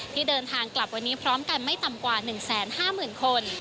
ที่เดินทางกลับวันนี้พร้อมกันไม่ต่ำกว่า๑๕๐๐๐คน